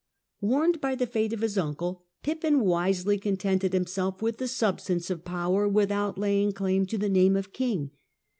"Warned by the fate of his uncle, Pippin wisely con tented himself with the substance of power without laying claim to the name of king.